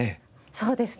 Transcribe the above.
そうですね。